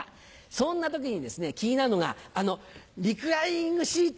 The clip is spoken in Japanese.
そんな時に気になるのがリクライニングシート。